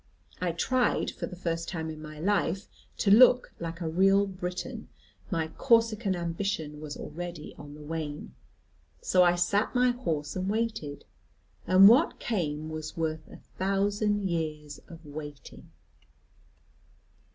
I tried, for the first time in my life, to look like a real Briton; my Corsican ambition was already on the wane. So I sat my horse, and waited; and what came was worth a thousand years of waiting.